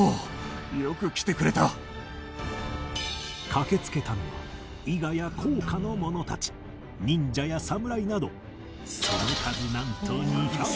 駆けつけたのは伊賀や甲賀の者たち忍者や侍などその数なんと２００人！